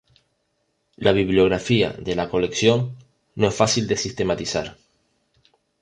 La bibliografía de la colección no es fácil de sistematizar.